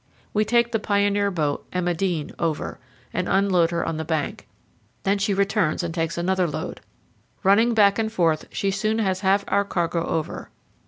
We take the pioneer boat, "Emma Dean," over, and unload her on the bank; then she returns and takes another load. Running back and forth, she soon has half our cargo over.